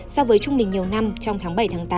so với trung đình nhiều năm trong tháng bảy tám